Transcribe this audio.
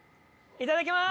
いただきます。